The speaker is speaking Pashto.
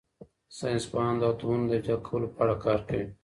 ساینس پوهان د اتومونو د یوځای کولو په اړه کار کوي.